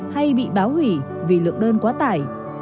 hay bị báo hủy vì lượng đơn quá tải